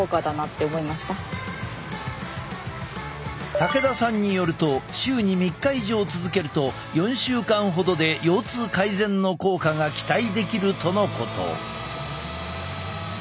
武田さんによると週に３日以上続けると４週間ほどで腰痛改善の効果が期待できるとのこと。